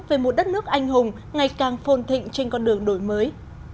về một đất nước anh hùng ngày càng phôn thịnh trên con đường đổi mới